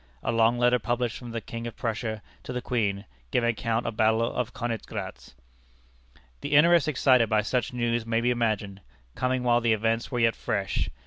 A long letter published from the King of Prussia to the Queen, giving account of battle of Königgrätz." The interest excited by such news may be imagined, coming while the events were yet fresh.